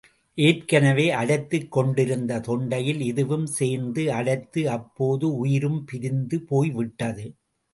ஏற்கனவே அடைத்துக் கொண்டிருந்த தொண்டையில் இதுவும் சேர்ந்து அடைத்து, அப்போதே உயிரும் பிரிந்து போய் விட்டது.